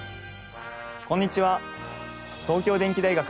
こんにちは。